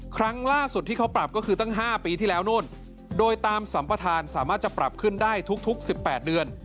ครั้งล่าสุดที่เขาปรับก็คือตั้ง๕ปีที่แล้วนู่นโดยตามสัมปทานสามารถจะปรับขึ้นได้ทุก๑๘เดือน